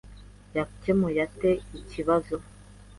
yakemuye ate ikibazo?